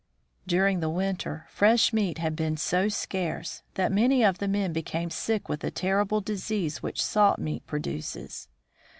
During the winter fresh meat had been so scarce that many of the men became sick with the terrible disease which salt meat produces.